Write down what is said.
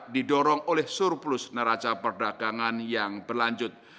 didorong oleh surplus neraca perdagangan yang berlanjut